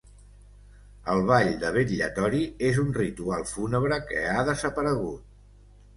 El ball de vetllatori és un ritual fúnebre que ha desaparegut.